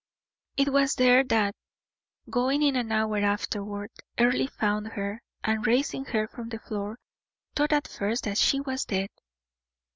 It was there, that, going in an hour afterward, Earle found her, and raising her from the floor, thought at first that she was dead.